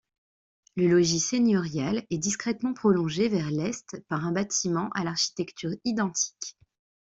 Le logis seigneurial est discrètement prolongé, vers l'est, par un bâtiment à l'architecture identique.